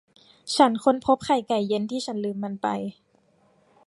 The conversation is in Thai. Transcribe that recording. ฉันค้นพบไข่ไก่เย็นที่ฉันลืมมันไป